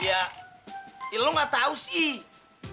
ya lo gak tau sih